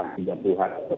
nah ini yang artinya sama